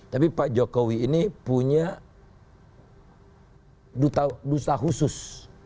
tapi pak jokowi ini punya duta khusus